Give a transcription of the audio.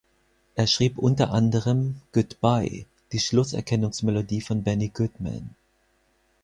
Er schrieb unter anderem "Goodbye", die Schluss-Erkennungsmelodie von Benny Goodman.